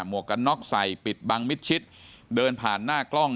วกกันน็อกใส่ปิดบังมิดชิดเดินผ่านหน้ากล้อง